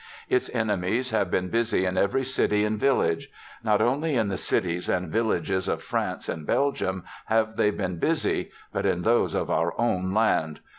"Its enemies have been busy in every city and village. Not only in the cities and villages of France and Belgium have they been busy, but in those of our own land.